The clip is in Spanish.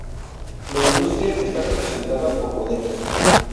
La industria está representada por bodegas.